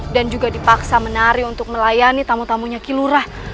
dan juga dipaksa menari untuk melayani tamu tamunya kilurah